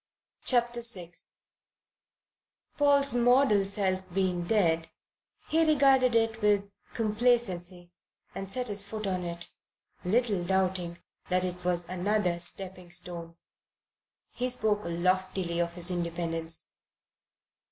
CHAPTER VI PAUL'S model self being dead, he regarded it with complacency and set his foot on it, little doubting that it was another stepping stone. He spoke loftily of his independence.